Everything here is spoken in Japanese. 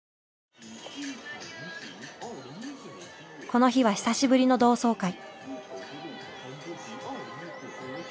この日は久しぶりの同窓会。